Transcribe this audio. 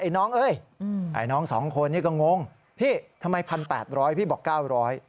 ไอ้น้องสองคนนี้ก็งงพี่ทำไม๑๘๐๐บาทพี่บอก๙๐๐บาท